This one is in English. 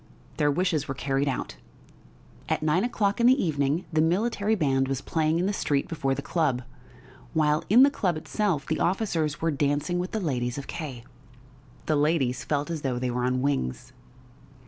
Their wishes were carried out. At nine o'clock in the evening the military band was playing in the street before the club, while in the club itself the officers were dancing with the ladies of K . The ladies felt as though they were on wings.